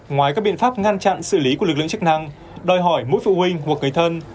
ngoài các biện pháp ngăn chặn xử lý của lực lượng chức năng đòi hỏi mỗi phụ huynh hoặc người thân